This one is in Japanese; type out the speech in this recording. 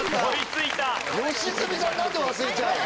良純さんなんで忘れちゃうの？